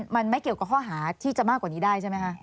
มันไม่เกี่ยวกับข้อหาที่จะมากกว่านี้ได้ใช่ไหมคะ